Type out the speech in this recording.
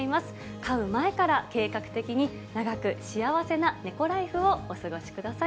飼う前から計画的に、長く幸せな猫ライフをお過ごしください。